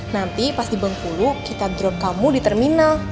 nanti pas di bengkulu kita drop kamu di terminal